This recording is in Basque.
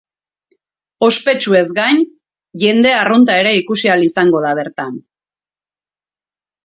Ospetsuez gain, jende arrunta ere ikusi al izango da bertan.